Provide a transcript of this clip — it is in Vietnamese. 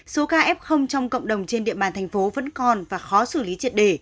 số ca f trong cộng đồng trên địa bàn thành phố vẫn còn và khó xử lý triệt đề